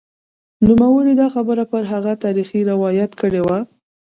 نوموړي دا خبره پر هغه تاریخي روایت کړې وه